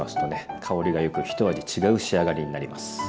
香りがよく一味違う仕上がりになります。